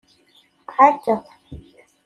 Ɛeggeḍ.